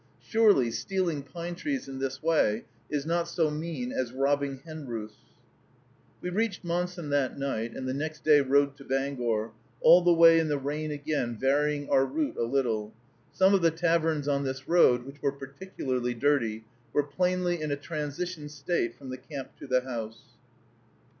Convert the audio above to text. Surely, stealing pine trees in this way is not so mean as robbing hen roosts. We reached Monson that night, and the next day rode to Bangor, all the way in the rain again, varying our route a little. Some of the taverns on this road, which were particularly dirty, were plainly in a transition state from the camp to the house.